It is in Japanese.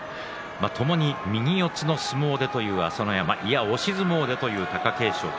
ともに右四つの相撲でという朝乃山、いや押し相撲でという貴景勝。